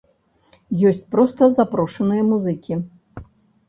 Ёсць проста запрошаныя музыкі.